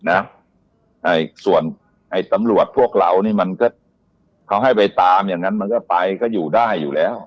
ไอ้ส่วนไอ้ตำรวจพวกเรานี่มันก็เขาให้ไปตามอย่างนั้นมันก็ไปก็อยู่ได้อยู่แล้ว